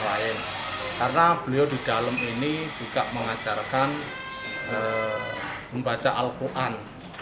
karena beliau di dalam ini juga mengajarkan membaca al quran